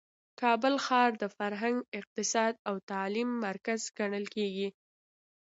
کابل ښار د فرهنګ، اقتصاد او تعلیم مرکز ګڼل کیږي.